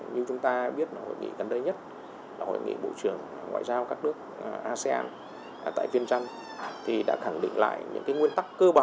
như chúng ta biết là hội nghị gần đây nhất là hội nghị bộ trường ngoại giao các nước asean tại viên trăng thì đã khẳng định lại những cái nguyên tắc cơ bản